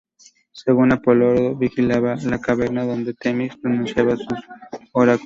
Según Apolodoro, vigilaba la caverna donde Temis pronunciaba sus oráculos.